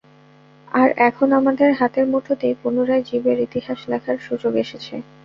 আর এখন আমাদের হাতের মুঠোতেই পুনরায় জীবের ইতিহাস লেখার সুযোগ এসেছে।